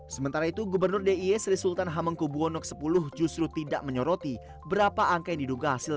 sementara itu gubernur dia seri sultan hamengkubuwono x justru tidak menyoroti berapa angka diduga hasil